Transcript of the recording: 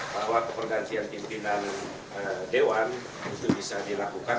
bahwa kepergantian pimpinan dewan itu bisa dilakukan